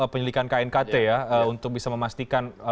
penyelidikan knkt ya untuk bisa memastikan